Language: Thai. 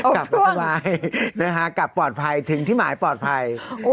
กลับปลอดภัยนะฮะกลับปลอดภัยถึงที่หมายปลอดภัย